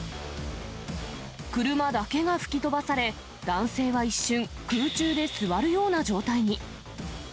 車だけが吹き飛ばされ、男性は一瞬、空中で座るような状態に。